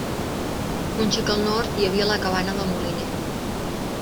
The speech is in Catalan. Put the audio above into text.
Un xic al nord hi havia la Cabana del Moliner.